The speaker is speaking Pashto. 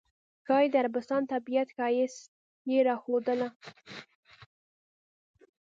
ښایي د عربستان طبیعت ښایست یې راښودله.